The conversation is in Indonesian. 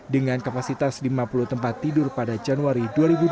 dengan kapasitas lima puluh tempat tidur pada januari dua ribu dua puluh